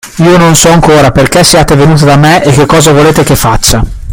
Io non so ancora perché siate venuta da me e che cosa volete che faccia.